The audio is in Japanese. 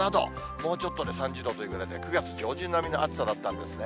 もうちょっとで３０度というぐらいの、９月上旬並みの暑さだったんですね。